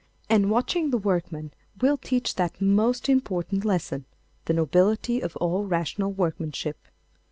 And watching the workman will teach that most important lesson—the nobility of all rational workmanship.